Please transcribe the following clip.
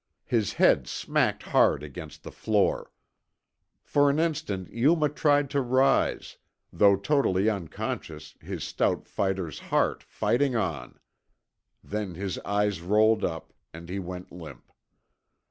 His head smacked hard against the floor. For an instant Yuma tried to rise; though totally unconscious, his stout fighter's heart fighting on. Then his eyes rolled up and he went limp.